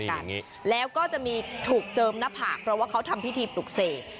กันแล้วก็จะมีถูกเจิมหน้าผากเพราะว่าเขาทำพิธีปลุกเสก